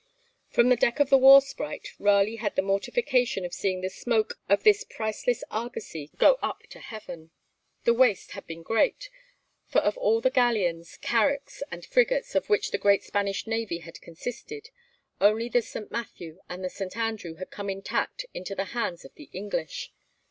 From the deck of the 'War Sprite' Raleigh had the mortification of seeing the smoke of this priceless argosy go up to heaven. The waste had been great, for of all the galleons, carracks, and frigates of which the great Spanish navy had consisted, only the 'St. Matthew' and the 'St. Andrew' had come intact into the hands of the English.